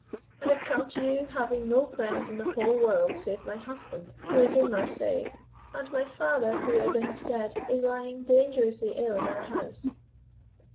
I have come to you, having no friends in the whole world save my husband, who is in Marseilles, and my father, who, as I have said, is lying dangerously ill in our house.